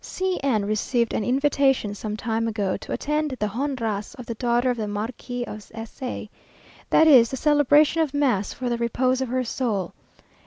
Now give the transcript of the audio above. C n received an invitation some time ago to attend the honras of the daughter of the Marquis of S a; that is, the celebration of mass for the repose of her soul.